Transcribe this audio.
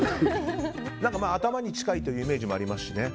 頭に近いというイメージもありますしね。